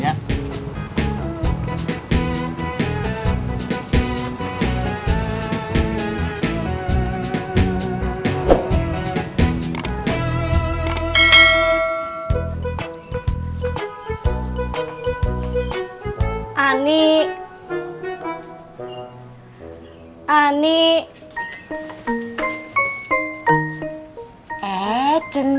aku mau lepas